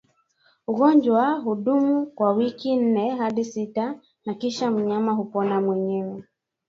Ugonjwa hudumu kwa wiki nne hadi sita na kisha mnyama hupona mwenyewe